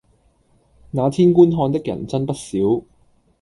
那天觀看的人真不少